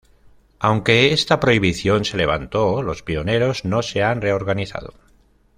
Aunque esta prohibición se levantó, los Pioneros no se han reorganizado.